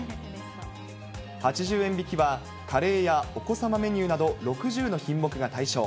８０円引きはカレーやお子様メニューなど６０の品目が対象。